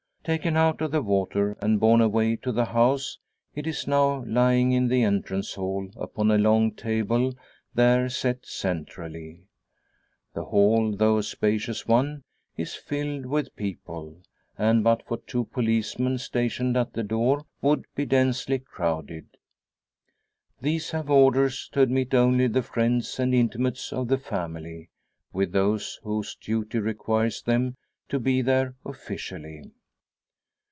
Taken out of the water, and borne away to the house, it is now lying in the entrance hall, upon a long table there set centrally. The hall, though a spacious one, is filled with people; and but for two policemen stationed at the door would be densely crowded. These have orders to admit only the friends and intimates of the family, with those whose duty requires them to be there officially.